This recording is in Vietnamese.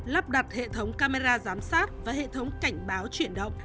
lắp đặt hệ thống camera giám sát và hệ thống cảnh báo chuyển động